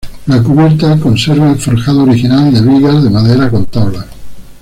La cubierta conserva el forjado original de vigas de madera con tablas.